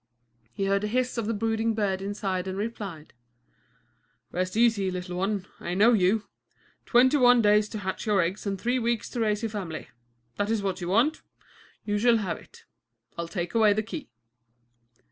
He heard the hiss of the brooding bird inside and replied: "Rest easy, little one, I know you. Twenty one days to hatch your eggs and three weeks to raise your family; that is what you want? You shall have it. I'll take away the key."